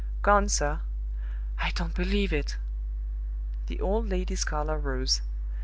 "Gone, sir." "I don't believe it!" The old lady's color rose.